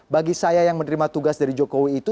bagi saya yang menerima tugas dari jokowi itu